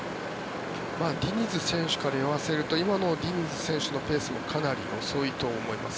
ディニズ選手から言わせると今のディニズ選手のペースもかなり遅いと思います。